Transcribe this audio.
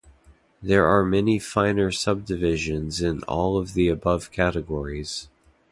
There are many finer subdivisions in all of the above categories.